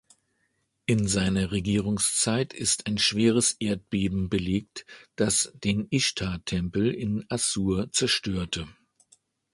In seiner Regierungszeit ist ein schweres Erdbeben belegt, das den Ischtar-Tempel in Assur zerstörte.